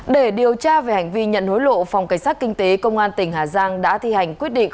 để điều tra về hành vi nhận hối lộ phòng cảnh sát kinh tế công an tỉnh hà giang đã thi hành quyết định